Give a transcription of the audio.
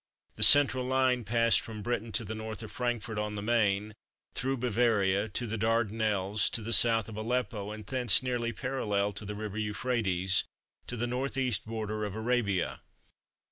The central line passed from Britain to the N. of Frankfort on the Maine, through Bavaria, to the Dardanelles, to the S. of Aleppo and thence nearly parallel to the river Euphrates to the N. E. border of Arabia.